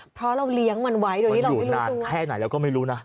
เพราะเราเลี้ยงมันไว้โดยที่เราอยู่นานแค่ไหนแล้วก็ไม่รู้นะ